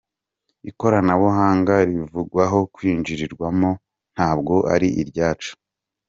Ikoranabuhanga rivugwaho kwinjirwamo ntabwo ari iryacu.